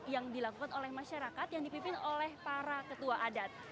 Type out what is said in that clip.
yang dilakukan oleh masyarakat yang dipimpin oleh para ketua adat